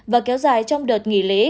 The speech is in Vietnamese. và kéo dài trong đợt nghỉ lễ